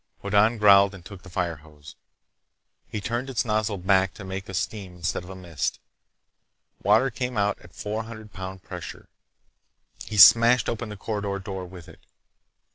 Hoddan growled and took the fire hose. He turned its nozzle back to make a stream instead of a mist. Water came out at four hundred pounds pressure. He smashed open the corridor door with it.